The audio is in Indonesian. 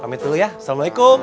pamit dulu ya assalamualaikum